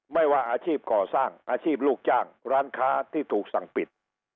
ไม่ว่าอาชีพก่อสร้างอาชีพลูกจ้างร้านค้าที่ถูกสั่งปิด